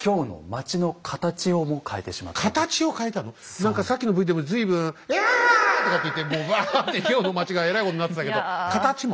何かさっきのＶでも随分「ヤーッ！」とかって言ってもうワァッて京の街がえらいことになってたけど形も？